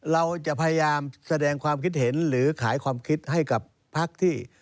เราจะพยายามแสดงความคิดเห็นหรือขายความคิดให้กับพักที่